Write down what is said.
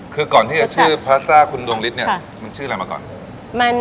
คือก่อนที่จะชื่อพาสต้าคุณดวงฤทธิ์เนี่ยมันชื่ออะไรมาก่อน